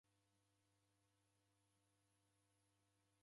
W'esaghulwa ni Mlungu.